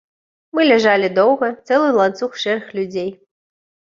Мы ляжалі доўга, цэлы ланцуг шэрых людзей.